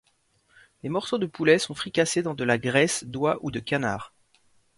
Les morceaux de poulet sont fricassés dans de la graisse d'oie ou de canard.